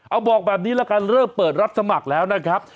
เอาบอกแบบนี้ละกันเริ่มเปิดรับสมัครแล้วนะครับ